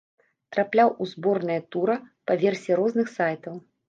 Трапляў у зборныя тура па версіі розных сайтаў.